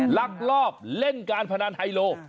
ลักลอบเล่นการพนันไฮโล